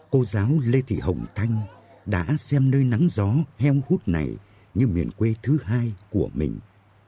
cô giáo lê thị hồng thanh đã xem nơi nắng gió heo hút này như miền quê thứ hai của mình